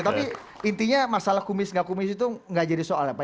tapi intinya masalah kumis gak kumis itu nggak jadi soal ya pak